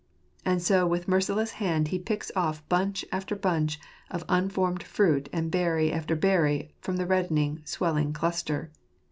And so with merciless hand he picks off bunch after bunch of unformed fruit and berry after berry from the reddening swelling cluster.